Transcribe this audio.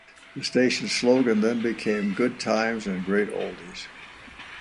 The Station's slogan then became "Good Times and Great Oldies".